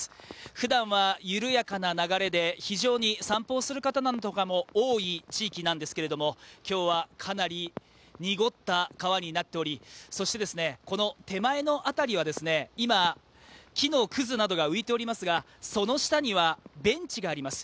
ふだんは緩やかな流れで、非常に散歩をする方なんかも多い地域なんですけれども、今日はかなり濁った川になっておりそして、手前の辺りは今、木のくずなどが浮いておりますが、その下にはベンチがあります。